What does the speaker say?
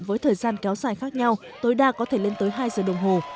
với thời gian kéo dài khác nhau tối đa có thể lên tới hai giờ đồng hồ